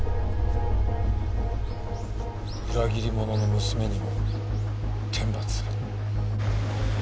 裏切り者の娘にも天罰。